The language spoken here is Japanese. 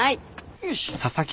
よし！